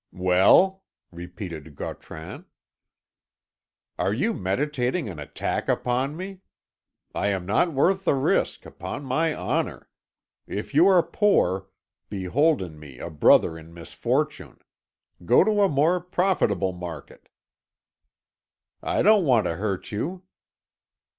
"Well?" repeated Gautran. "Are you meditating an attack upon me? I am not worth the risk, upon my honour. If you are poor, behold in me a brother in misfortune. Go to a more profitable market." "I don't want to hurt you."